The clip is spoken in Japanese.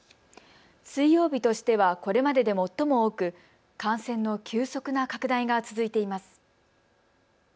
水曜日としてはこれまでで最も多く感染の急速な拡大が続いています。